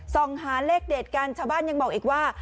ส่องหาเลขเด็ดกันชาวบ้านยังบอกอีกว่า